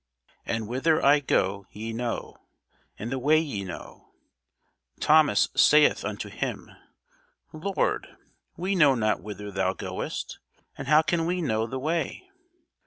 And whither I go ye know, and the way ye know. Thomas saith unto him, Lord, we know not whither thou goest; and how can we know the way?